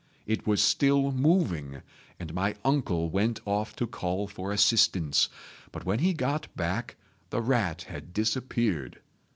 It was still moving, and my uncle went off to call for assistance, but when he got back the rat had disappeared.